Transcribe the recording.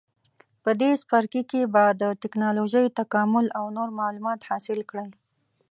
په دې څپرکي کې به د ټېکنالوجۍ تکامل او نور معلومات حاصل کړئ.